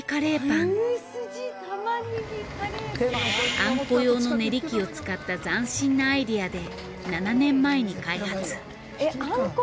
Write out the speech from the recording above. あんこ用のねり機を使った斬新なアイデアで７年前に開発。